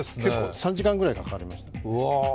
３時間ぐらいかかりました。